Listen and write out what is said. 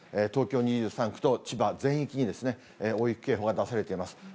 東京２３区と千葉全域に、大雪警報が出されています。